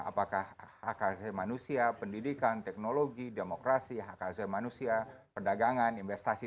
apakah hak asasi manusia pendidikan teknologi demokrasi hak azam manusia perdagangan investasi